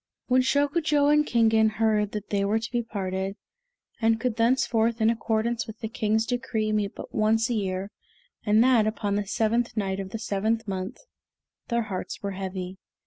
When Shokujo and Kingen heard that they were to be parted, and could thenceforth, in accordance with the King's decree, meet but once a year, and that upon the seventh night of the seventh month, their hearts were heavy.